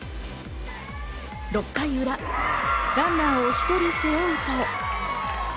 ６回裏、ランナーを１人背負うと。